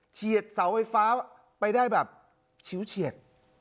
เฉียดเสาไฟฟ้าไปได้แบบชิวเฉียด